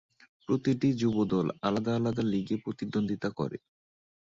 প্রতিটি যুব দল আলাদা আলাদা লীগে প্রতিদ্বন্দ্বিতা করে।